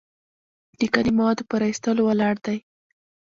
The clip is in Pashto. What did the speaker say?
د کاني موادو په را ایستلو ولاړ دی.